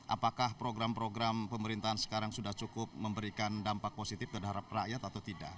apakah program program pemerintahan sekarang sudah cukup memberikan dampak positif terhadap rakyat atau tidak